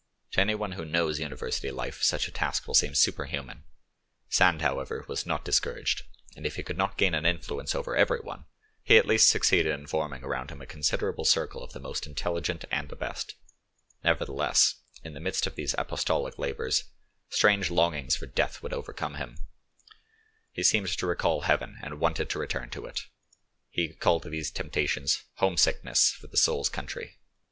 To anyone who knows university life such a task will seem superhuman. Sand, however, was not discouraged, and if he could not gain an influence over everyone, he at least succeeded in forming around him a considerable circle of the most intelligent and the best; nevertheless, in the midst of these apostolic labours strange longings for death would overcome him; he seemed to recall heaven and want to return to it; he called these temptations "homesickness for the soul's country."